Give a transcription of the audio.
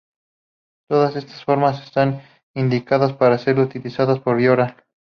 Todas estas formas están indicadas para ser utilizadas por vía oral.